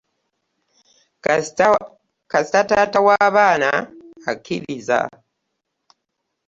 Kasita taata w'abaana akkirizza.